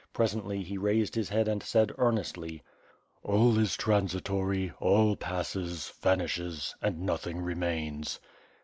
Presently he raised his head and said earnestly: "All is transitory; all passes, vanishes, and nothing re mains."